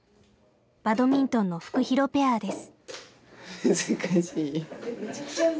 バドミントンのフクヒロペアです。